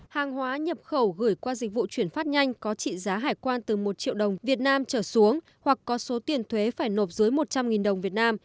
hàng hóa nhập khẩu gửi qua dịch vụ chuyển phát nhanh có trị giá hải quan từ một triệu đồng việt nam trở xuống hoặc có số tiền thuế phải nộp dưới một trăm linh đồng việt nam